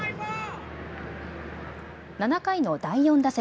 ７回の第４打席。